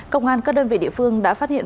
công an các đơn vị địa phương đã phát hiện